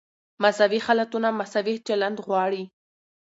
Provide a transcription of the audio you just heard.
مساوي حالتونه مساوي چلند غواړي.